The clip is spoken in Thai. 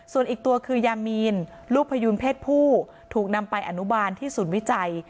ส่วนอีกตัวคือยามีนลูกพยูนเพศผู้ถูกนำไปอนุบาลที่ศูนย์วิจัย